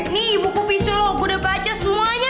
nih ibuku pisul lo gue udah baca semuanya